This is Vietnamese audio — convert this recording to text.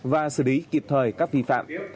và xử lý kịp thời các vi phạm